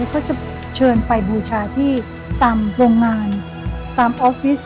เขาจะเชิญไปบูชาที่ตามโรงงานตามออฟฟิศ